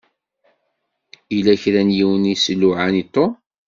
Yella kra n yiwen i s-iluɛan i Tom.